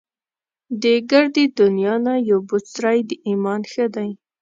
دې ګردې دنيا نه يو بڅری د ايمان ښه دی